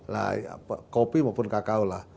lah kopi maupun kakao lah